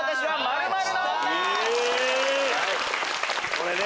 これね！